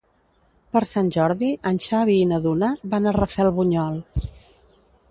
Per Sant Jordi en Xavi i na Duna van a Rafelbunyol.